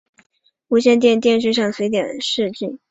无线电视线上随点视讯